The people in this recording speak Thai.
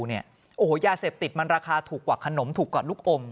โอ้โหยาเสพติดมันราคาถูกกว่าขนมถูกกว่าลูกอม